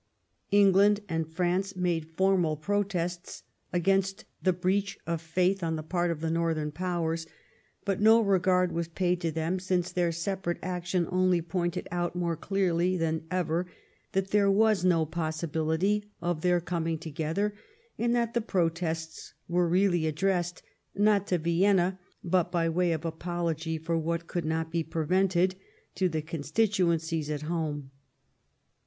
England and France made formal pro tests against the breach of faith on the part of the northern Powers ; but no regard was paid to them, since their separate action only pointed out more clearly than ever that there was no possibility of their coming together, and that the protests were really addressed, not to Vienna, but by way of apology for what could not be prevented, to the constituencies at home.